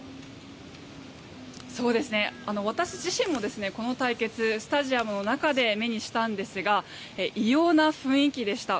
私自身も、この対決スタジアムの中で目にしたんですが異様な雰囲気でした。